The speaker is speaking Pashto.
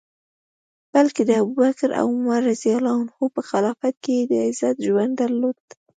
بلکه د ابوبکر او عمر رض په خلافت کي یې د عزت ژوند درلود.